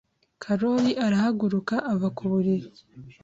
Karoli arahaguruka ava ku buriri.